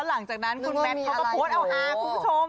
หลังจากนั้นคุณแมทเขาก็โพสต์เอาหาคุณผู้ชม